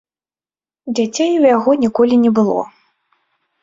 Дзяцей у яго ніколі не было.